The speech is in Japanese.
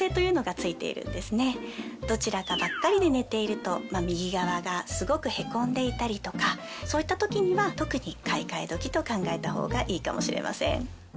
どちらかばっかりで寝ていると右側がすごく凹んでいたりとかそういった時には特に買い替え時と考えたほうがいいかもしれません。